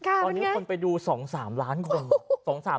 อันนี้คนไปดู๒๓ล้านคือเปล่า